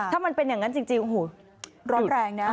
ถ้ามันเป็นอย่างนั้นจริงโอ้โหร้อนแรงนะ